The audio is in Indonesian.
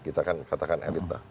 kita kan katakan elit pak